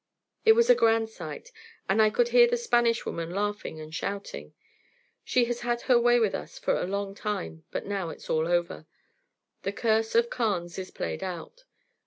It was a grand sight, and I could hear the Spanish woman laughing and shouting. She has had her way with us for a long time, but now it's all over; the curse of the Carnes is played out.